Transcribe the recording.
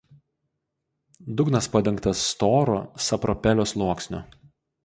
Dugnas padengtas storu sapropelio sluoksniu.